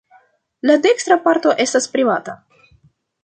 La dekstra parto estas privata.